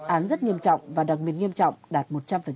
án rất nghiêm trọng và đặc biệt nghiêm trọng đạt một trăm linh